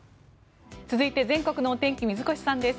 続いて、全国のお天気水越さんです。